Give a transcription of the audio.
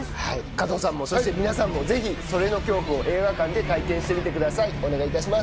加藤さん、そして皆さんもぜひ、それの恐怖を映画館で体験してみてください。